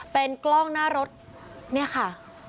เป็นกล้องหน้ารถเนี่ยค่ะ